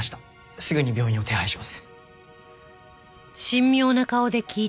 すぐに病院を手配します。